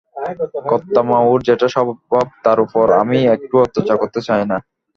কর্তা-মা, ওঁর যেটা স্বভাব তার উপর আমি একটুও অত্যাচার করতে চাই নে।